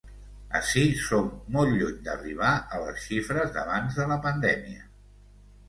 Ací som molt lluny d’arribar a les xifres d’abans de la pandèmia.